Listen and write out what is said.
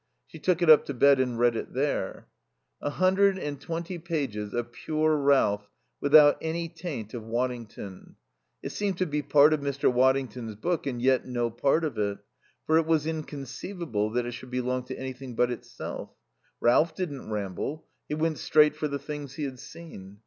She took it up to bed and read it there. A hundred and twenty pages of pure Ralph without any taint of Waddington. It seemed to be part of Mr. Waddington's book, and yet no part of it, for it was inconceivable that it should belong to anything but itself. Ralph didn't ramble; he went straight for the things he had seen.